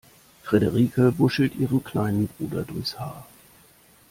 Frederike wuschelt ihrem kleinen Bruder durchs Haar.